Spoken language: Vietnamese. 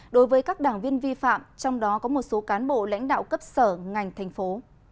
đối với các đảng viên vi phạm trong đó có một số cán bộ lãnh đạo cấp sở ngành thành phố